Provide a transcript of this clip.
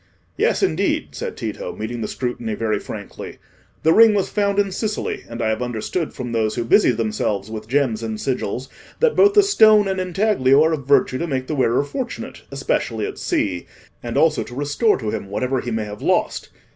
"Yes, indeed," said Tito, meeting the scrutiny very frankly. "The ring was found in Sicily, and I have understood from those who busy themselves with gems and sigils, that both the stone and intaglio are of virtue to make the wearer fortunate, especially at sea, and also to restore to him whatever he may have lost.